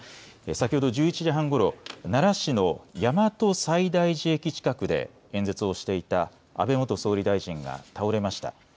先ほど１１時半ごろ奈良市の大和西大寺駅近くで演説をしていた安倍元総理大臣が倒れました。